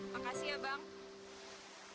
makasih ya bang